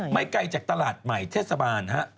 ไม่ไกลจากตลาดใหม่เทศบาล